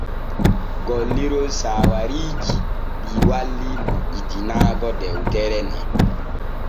Gollirol saawariiji ɗi walli moƴƴitinaago dewtere na.